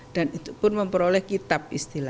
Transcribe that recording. dan itu pun memperoleh kitab